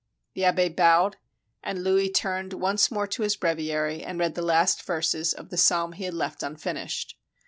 The abbe bowed, and Louis turned once more to his breviary, and read the last verses of the psalm he had left unfinished.